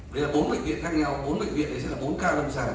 đấy là bốn bệnh viện khác nhau bốn bệnh viện đấy sẽ là bốn ca lâm sản